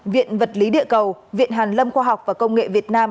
viện vật lý địa cầu viện hàn lâm khoa học và công nghệ việt nam